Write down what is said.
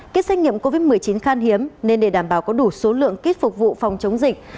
kết xét nghiệm covid một mươi chín khan hiếm nên để đảm bảo có đủ số lượng kit phục vụ phòng chống dịch